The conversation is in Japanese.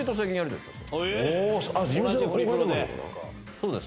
そうです。